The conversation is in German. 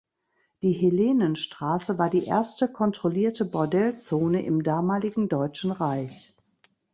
Die Helenenstraße war die erste kontrollierte Bordell-Zone im damaligen Deutschen Reich.